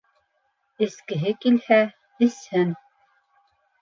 Эскеһе килһә, эсһен...